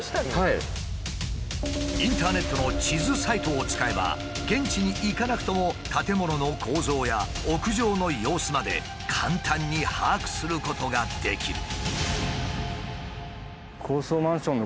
インターネットの地図サイトを使えば現地に行かなくとも建物の構造や屋上の様子まで簡単に把握することができる。